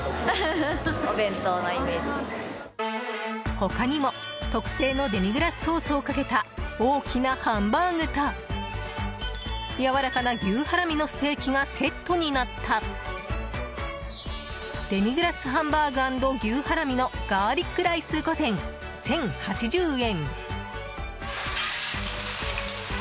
他にも特製のデミグラスソースをかけた大きなハンバーグとやわらかな牛ハラミのステーキがセットになったデミグラスハンバーグ＆牛ハラミのガーリックライス御膳１０８０円。